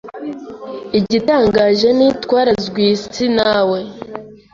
Igitangaje ni, Twarazwe iyi si nawe